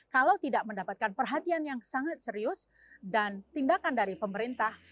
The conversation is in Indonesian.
kalau tidak mendapatkan perhatian yang sangat serius dan tindakan dari pemerintah